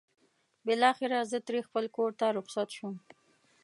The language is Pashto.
بالاخره زه ترې خپل کور ته رخصت شوم.